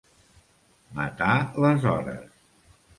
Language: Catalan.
Matar les hores.